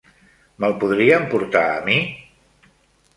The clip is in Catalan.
Me'l podrien portar a mi?